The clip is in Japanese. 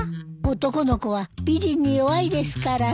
男の子は美人に弱いですから。